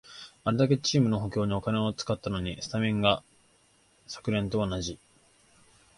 あれだけチーム補強にお金使ったのに、スタメンが昨年と同じ